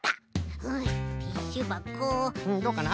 どうかな？